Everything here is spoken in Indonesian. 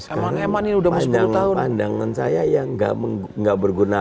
sekarang emang ini udah mau jalan pandangan saya yang enggak menggabung enggak berguna